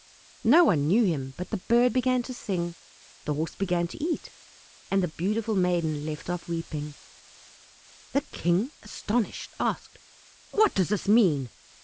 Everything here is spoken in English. No one knew him, but the Bird began to sing, the Horse began to eat, and the beautiful maiden left off weeping. The King, astonished, asked, "What does this mean?"